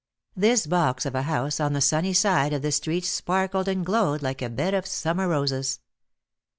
This box of a house on the sunny side of the street sparkled and glowed like a bed of summer roses.